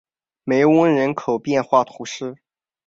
梅翁人口变化图示